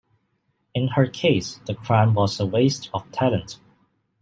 In her case, the crime was a waste of talent.